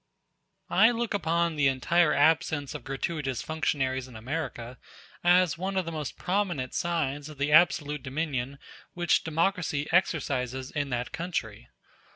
I look upon the entire absence of gratuitous functionaries in America as one of the most prominent signs of the absolute dominion which democracy exercises in that country.